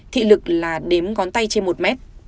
thị lực là đếm ngón tay trên một mét